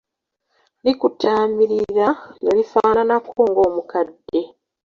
Likutaamirira ne lifaanaanako ng'omukadde.